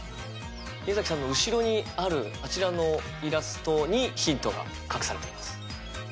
宮さんの後ろにあるあちらのイラストにヒントが隠されています。